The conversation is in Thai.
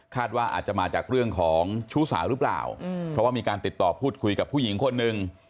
ว่าอาจจะมาจากเรื่องของชู้สาวหรือเปล่าเพราะว่ามีการติดต่อพูดคุยกับผู้หญิงคนหนึ่ง